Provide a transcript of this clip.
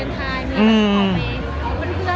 มีมีบ้านเพื่อนอยู่กันแล้วมีเจอ